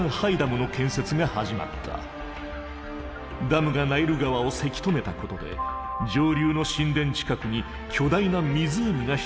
ダムがナイル川をせき止めたことで上流の神殿近くに巨大な湖が出現。